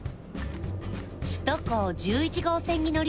首都高１１号線に乗り